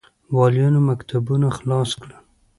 والیانو مکتوبونه خلاص کړل.